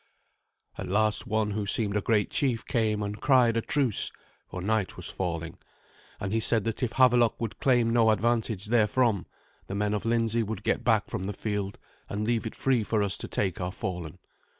At last one who seemed a great chief came and cried a truce, for night was falling; and he said that if Havelok would claim no advantage therefrom, the men of Lindsey would get back from the field, and leave it free for us to take our fallen.